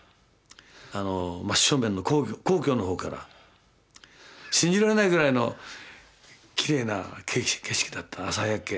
あの真っ正面の皇居の方から信じられないぐらいのきれいな景色だった朝焼け。